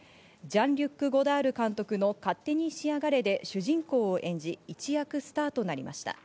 ジャンリュック・ゴダール監督の『勝手にしやがれ』で主人公を演じ、一躍スターとなりました。